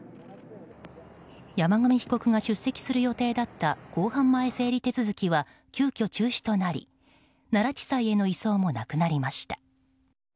山上被告が出席する予定だった公判前整理手続きは急きょ中止となり奈良地裁への移送もなくなりました。